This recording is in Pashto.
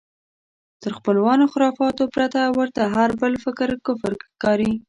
تر خپلو خرافاتو پرته ورته هر بل فکر کفر ښکاري.